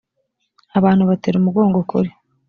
abantu batera umugongo ukuri